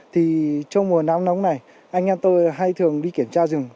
thì trong mùa nắng nóng này anh em tôi hay thường đi kiểm tra rừng